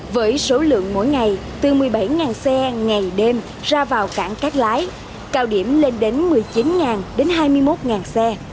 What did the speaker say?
với số lượng mỗi ngày từ một mươi bảy xe ngày đêm ra vào cảng cát lái cao điểm lên đến một mươi chín đến hai mươi một xe